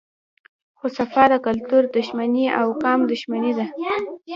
خو صفا د کلتور دښمني او قام دښمني ده